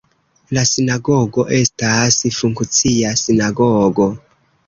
La sinagogo estas funkcia sinagogo.